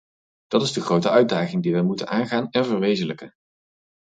Dat is de grote uitdaging die wij moeten aangaan en verwezenlijken.